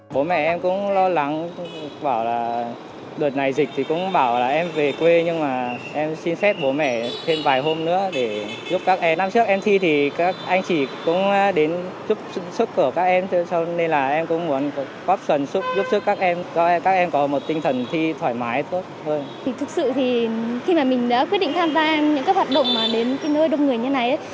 khi mà mình đã quyết định tham gia những các hoạt động đến nơi đông người như thế này